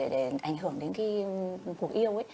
để ảnh hưởng đến cuộc yêu